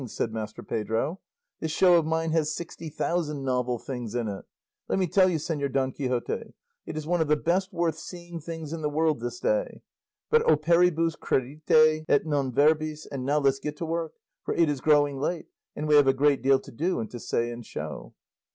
said Master Pedro; "this show of mine has sixty thousand novel things in it; let me tell you, Señor Don Quixote, it is one of the best worth seeing things in the world this day; but operibus credite et non verbis, and now let's get to work, for it is growing late, and we have a great deal to do and to say and show."